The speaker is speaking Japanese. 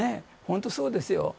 本当にそうですよ。